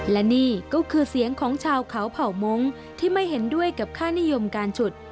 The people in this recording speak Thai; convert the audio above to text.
และนี่ก็คือเสียงของชาวเขาเผ่ามงค์ที่ไม่เห็นด้วยกับค่านิยมการฉุด